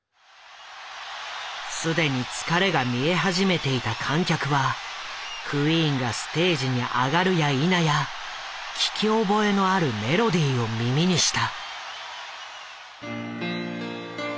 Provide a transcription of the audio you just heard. すでに疲れが見え始めていた観客はクイーンがステージに上がるやいなや聞き覚えのあるメロディーを耳にした。